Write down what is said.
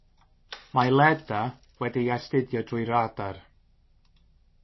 Mae Leda wedi'i astudio drwy radar.